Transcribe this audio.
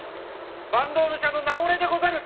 坂東武者の名折れでござる！